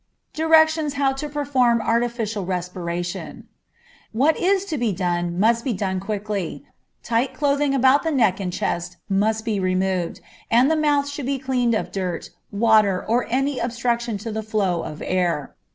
Directions how to Perform Artificial Respiration. What is to be done must be done quickly; tight clothing about the neck and chest must be removed, and the mouth should be cleaned of dirt, water, or any obstruction to the flow of air.